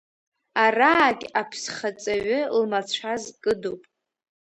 Араагь аԥсхаҵаҩы лмацәаз кыдуп.